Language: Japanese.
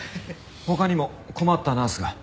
他にも困ったナースが。